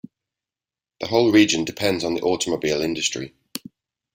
The whole region depends on the automobile industry.